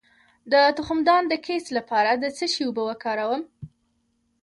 د تخمدان د کیست لپاره د څه شي اوبه وکاروم؟